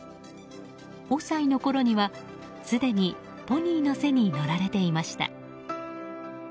５歳のころには、すでにポニーの背に乗られていました。